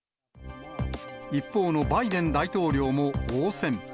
一方のバイデン大統領も応戦。